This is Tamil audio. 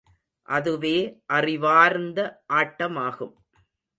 அதுவே அறிவார்ந்த ஆட்டமாகும்.